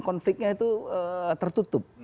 konfliknya itu tertutup